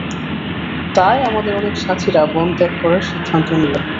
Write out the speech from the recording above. তাই আমাদের অনেক সাথীরা বন ত্যাগ করার সিদ্ধান্ত নিল।